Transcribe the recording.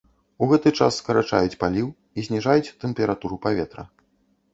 У гэты час скарачаюць паліў і зніжаюць тэмпературу паветра.